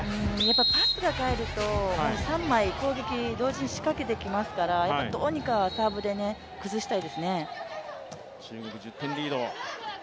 パスが入ると、三枚、攻撃を同時に仕掛けてきますからどうにかサーブで崩したいですね。